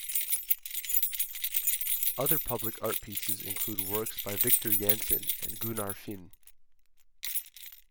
Other public art pieces include works by Viktor Jansson and Gunnar Finne.